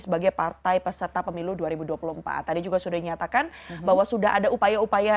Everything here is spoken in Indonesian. sebagai partai peserta pemilu dua ribu dua puluh empat tadi juga sudah dinyatakan bahwa sudah ada upaya upaya